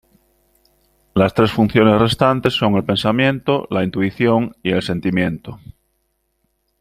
Las tres funciones restantes son el pensamiento, la intuición y el sentimiento.